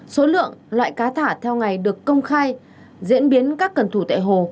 số lượng loại cá thả theo ngày được công khai diễn biến các cần thủ tại hồ